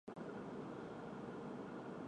金山东东路宁海州牟平县。